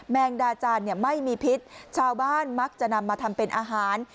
แมงดาจานไม่มีพิษชาวบ้านมักจะนำมาทำเป็นอาหาร